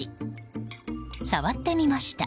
触ってみました。